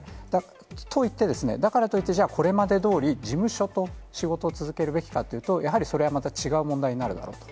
といって、だからといって、これまでどおり事務所と仕事を続けるべきかというと、やはりそれはまた違う問題になるだろうと。